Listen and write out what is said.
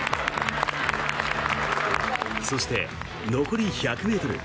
そして、残り１００ｍ。